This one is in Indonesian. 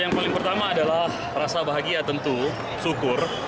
yang paling pertama adalah rasa bahagia tentu syukur